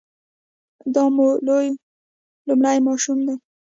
دا مو لومړی ماشوم دی؟